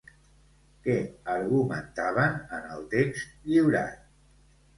Què argumentaven en el text lliurat?